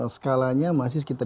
skalanya masih sekitar